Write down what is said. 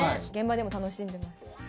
現場でも楽しんでます。